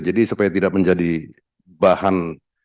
jadi supaya tidak menjadi bahan